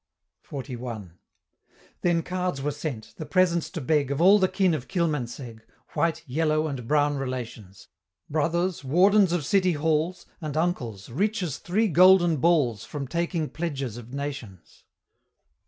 XLI. Then cards were sent, the presence to beg Of all the kin of Kilmansegg, White, yellow, and brown relations: Brothers, Wardens of City Halls, And Uncles rich as three Golden Balls From taking pledges of nations.